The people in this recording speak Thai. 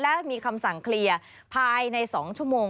และมีคำสั่งเคลียร์ภายใน๒ชั่วโมง